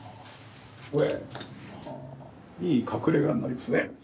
・いい隠れ家になりますね。